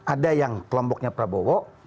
ada yang kelompoknya prabowo